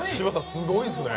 すごいですね。